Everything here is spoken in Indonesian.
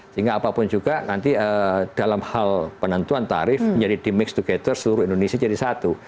sehingga apapun juga nanti dalam hal penentuan tarif menjadi di mix together seluruh indonesia jadi satu